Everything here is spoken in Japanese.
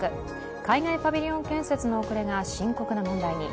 海外パビリオン建設の遅れが深刻な問題に。